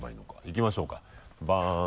いきましょうかバン。